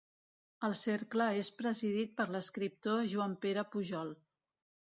El Cercle és presidit per l'escriptor Joan-Pere Pujol.